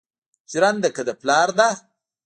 ژرنده که د پلار ده